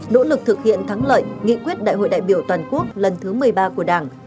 nỗ lực thực hiện thắng lợi nghị quyết đại hội đại biểu toàn quốc lần thứ một mươi ba của đảng